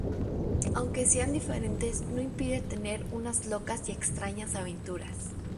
Aunque sean diferentes no impide tener unas locas y extrañas aventuras.